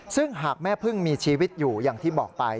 ซึ่งหากแม่พึ่งมีชีวิตอยู่อย่างที่บอกไป